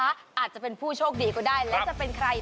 อาจจะเป็นผู้โชคดีก็ได้และจะเป็นใคร